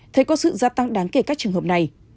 thấy có sự gia tăng đáng kể các trường hợp này